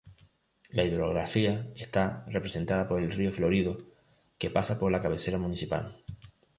La hidrografía está representada por el Río Florido, que pasa por la cabecera municipal.